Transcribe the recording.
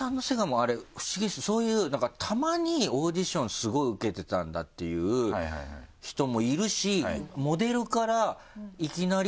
そういうなんかたまにオーディションスゴい受けてたんだっていう人もいるしモデルからいきなりっていう人も。